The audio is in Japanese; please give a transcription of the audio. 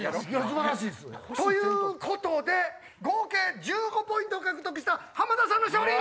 素晴らしいです！ということで合計１５ポイントを獲得した浜田さんの勝利！